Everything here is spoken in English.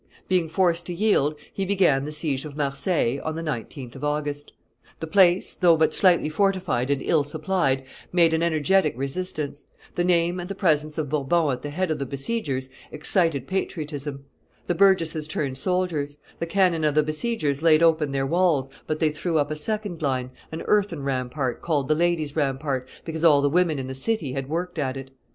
Being forced to yield, he began the siege of Marseilles on the 19th of August. The place, though but slightly fortified and ill supplied, made an energetic resistance; the name and the presence of Bourbon at the head of the besiegers excited patriotism; the burgesses turned soldiers; the cannon of the besiegers laid open their walls, but they threw up a second line, an earthen rampart, called the ladies' rampart, because all the women in the city had worked at it.